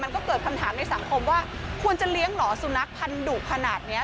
ก็เกิดปัญหาในสังคมว่าควรจะเลี้ยงหรอสูนักพันธุ์ดุขนาดนี้